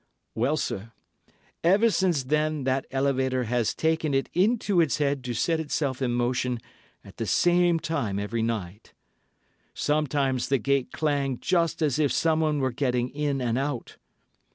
Well, sir, ever since then that elevator has taken it into its head to set itself in motion at the same time every night. Sometimes the gates clang just as if someone were getting in and out.